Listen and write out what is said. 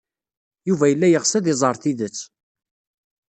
Yuba yella yeɣs ad iẓer tidet.